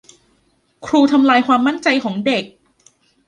ครูทำลายความมั่นใจของเด็ก